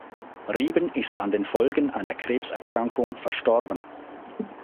Rieben ist an den Folgen einer Krebserkrankung verstorben.